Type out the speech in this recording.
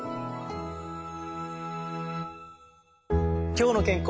「きょうの健康」。